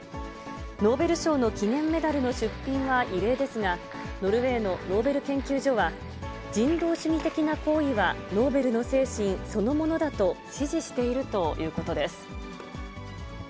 ノーベル賞の記念メダルの出品は異例ですが、ノルウェーのノーベル研究所は、人道主義的な行為はノーベルの精神そのものだと支持しているということです。